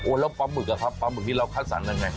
โอ้แล้วปลาหมึกอะครับปลาหมึกที่เราคาดสรรแล้วไง